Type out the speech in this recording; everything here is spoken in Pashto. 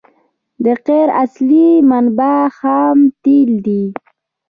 د قیر اصلي منبع خام تیل دي